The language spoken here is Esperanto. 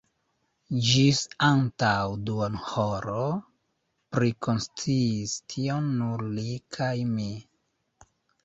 Ĝis antaŭ duonhoro prikonsciis tion nur li kaj mi.